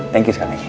thank you sekali lagi